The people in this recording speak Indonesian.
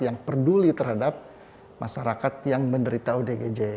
yang peduli terhadap masyarakat yang menderita odgj